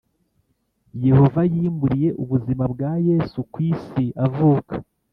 Yehova yimuriye ubuzima bwa yesu ku isi avuka